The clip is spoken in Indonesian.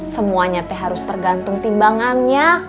semuanya harus tergantung timbangannya